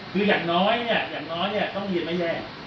คืออย่างน้อยเนี่ยอย่างน้อยเนี่ยต้องเรียนไม่แย่